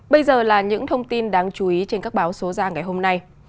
bây giờ là những thông tin đáng chú ý trên các báo số ra ngày hôm nay